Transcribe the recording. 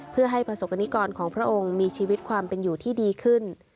เพื่อให้ประสบกรณิกรของพระองค์มีชีวิตความเป็นอยู่ที่ดีขึ้น